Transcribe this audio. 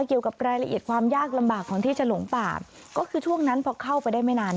เกี่ยวกับรายละเอียดความยากลำบากของที่จะหลงป่าก็คือช่วงนั้นพอเข้าไปได้ไม่นาน